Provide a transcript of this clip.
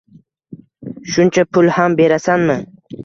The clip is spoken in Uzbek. Shuncha pul ham berasanmi